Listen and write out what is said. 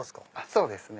そうですね。